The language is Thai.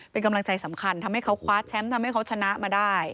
เป็นกำลังใจสำคัญทำให้เขาคว้าแชมป์ทำให้เขาชนะมาได้